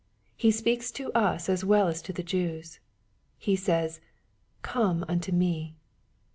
He speaks to us as well as to the Jews. He says, " Come unto me."